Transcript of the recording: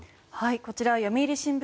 こちら読売新聞